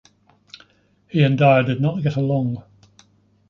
He and Dyer did not get along.